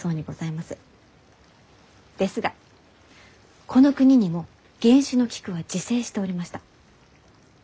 ですがこの国にも原種の菊は自生しておりました。